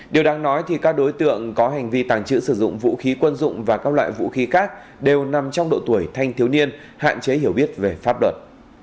điều đáng nói thì các đối tượng có hành vi tàng trữ sử dụng vũ khí quân dụng và các loại vũ khí khác đều nằm trong độ tuổi thanh thiếu niên hạn chế hiểu biết về pháp luật